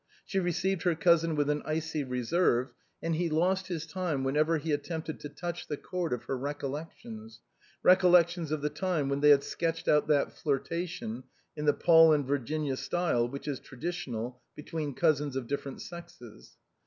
She received her cousin with an icy reserve; and he lost his time whenever he attempted to touch the chord of her recollections — recollections of the time when they had sketched out that flirtation in the Paul and Virginia style which is traditional between cousins of different sexes.